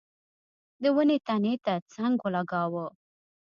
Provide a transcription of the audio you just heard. د ونې تنې ته څنګ ولګاوه.